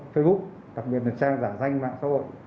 facebook đặc biệt là trang giả danh mạng xã hội